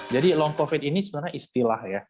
jadi long covid ini sebenarnya istilah ya